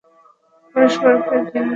পরস্পরকে ঘেন্না করে করেই তোদের অধঃপতন হয়েছে।